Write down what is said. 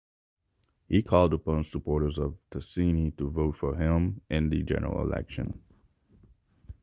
He called upon supporters of Tasini to vote for him in the general election.